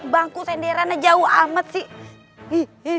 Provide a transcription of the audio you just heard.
bangku senderannya jauh amat sih